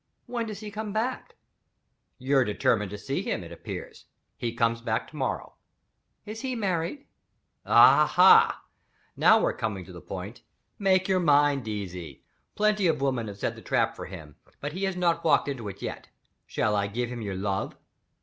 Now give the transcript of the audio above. "When does he come back?" "You're determined to see him, it appears. He comes back to morrow." "Is he married?" "Aha! now we're coming to the point. Make your mind easy. Plenty of women have set the trap for him, but he has not walked into it yet. Shall I give him your love?"